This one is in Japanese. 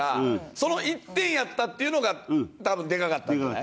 その一点やったっていうのが多分でかかったんじゃない？